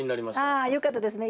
ああよかったですね。